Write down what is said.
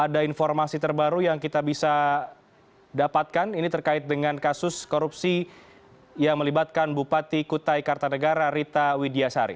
ada informasi terbaru yang kita bisa dapatkan ini terkait dengan kasus korupsi yang melibatkan bupati kutai kartanegara rita widiasari